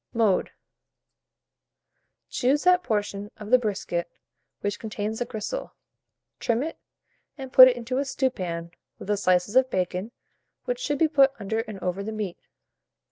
Mode. Choose that portion of the brisket which contains the gristle, trim it, and put it into a stewpan with the slices of bacon, which should be put under and over the meat.